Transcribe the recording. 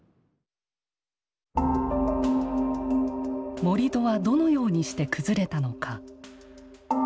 盛土はどのようにして崩れたのか。